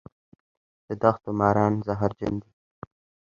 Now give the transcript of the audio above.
د دښتو ماران زهرجن دي